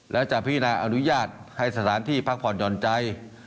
และจะพินาอนุญาตให้สถานที่พักผ่อนหย่อนใจ